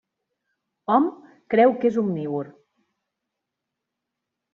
Hom creu que és omnívor.